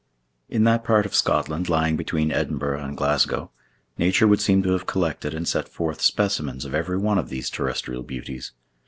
In that part of Scotland lying between Edinburgh and Glasgow, nature would seem to have collected and set forth specimens of every one of these terrestrial beauties.